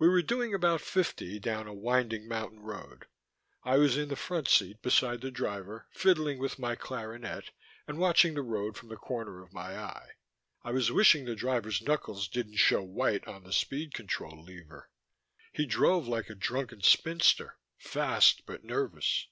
We were doing about fifty down a winding mountain road. I was in the front seat beside the driver, fiddling with my clarinet, and watching the road from the corner of my eye. I was wishing the driver's knuckles didn't show white on the speed control lever. He drove like a drunken spinster, fast but nervous.